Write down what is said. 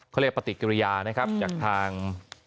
เขาเรียกปฏิกิริยานะครับจากทาง